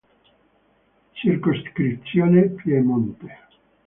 Circoscrizione Piemonte